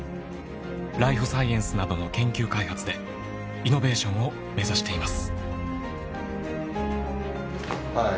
ライフサイエンスなどの研究開発でイノベーションを目指しています。